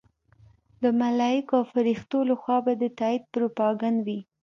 د ملایکو او فرښتو لخوا به د تایید پروپاګند وي.